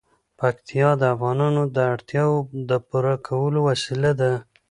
پکتیا د افغانانو د اړتیاوو د پوره کولو وسیله ده.